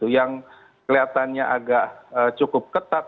yang kelihatannya agak cukup ketat